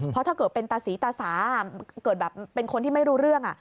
เพราะถ้าเกิดเป็นตาสีตาสาเกิดแบบเป็นคนที่ไม่รู้เรื่อง